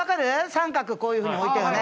三角こういうふうに置いたよね